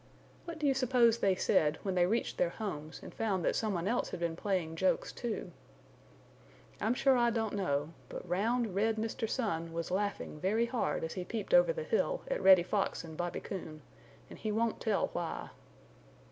What do you suppose they said when they reached their homes and found that someone else had been playing jokes, too? I'm sure I don't know, but round, red Mr. Sun was laughing very hard as he peeped over the hill at Reddy Fox and Bobby Coon, and he won't tell why.